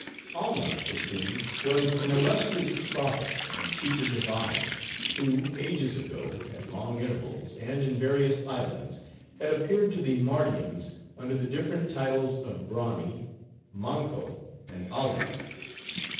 Alma, it seems, was an illustrious prophet, and teacher divine; who, ages ago, at long intervals, and in various islands, had appeared to the Mardians under the different titles of Brami, Manko, and Alma.